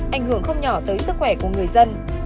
ảnh hưởng không nhỏ tới sức khỏe của người dân